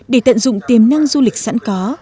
để tận dụng tiềm năng du lịch sẵn có